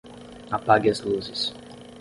Apague as luzes.